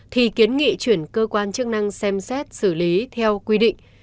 thì kiến nghị chuyển cơ quan chức năng xem xét xử lý theo quy định